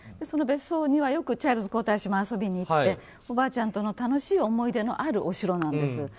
その別荘にはチャールズ皇太子も遊びに行っておばあちゃんとの楽しい思い出のあるお城なんです。